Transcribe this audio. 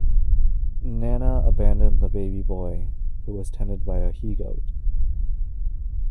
Nana abandoned the baby boy, who was tended by a he-goat.